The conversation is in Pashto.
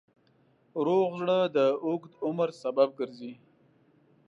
روغ زړه د اوږد عمر سبب ګرځي.